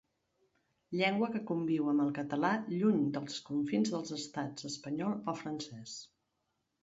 Llengua que conviu amb el català lluny dels confins dels estats espanyol o francès.